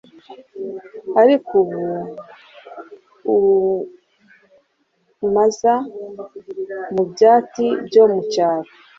Ariko ubu umuaza mubyati byo mucyaro,